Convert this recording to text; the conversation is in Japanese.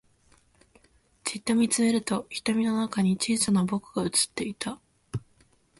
じっと見つめると瞳の中に小さな僕が映っていた